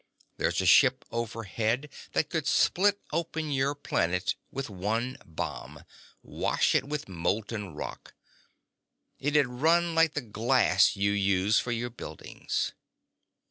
There's a ship overhead that could split open your planet with one bomb—wash it with molten rock. It'd run like the glass you use for your buildings."